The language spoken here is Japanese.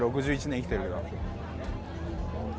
６１年、生きてるけど。